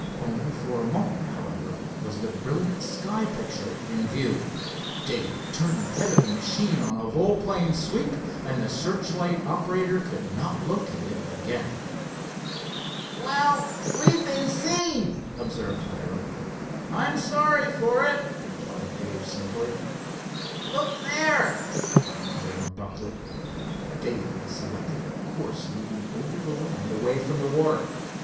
Only for a moment, however, was the brilliant sky picture in view. Dave turned the head of the machine on a volplane sweep, and the searchlight operator could not locate it again. "Well, we've been seen," observed Hiram, "I'm sorry for it," replied Dave simply. "Look there!" cried Hiram abruptly. Dave had selected a course leading over the land, away from the water.